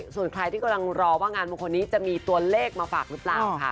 ส่วนใครที่กำลังรอว่างานมงคลนี้จะมีตัวเลขมาฝากหรือเปล่าค่ะ